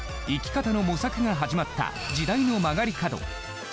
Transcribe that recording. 生き方の模索が始まった、時代の曲がり角。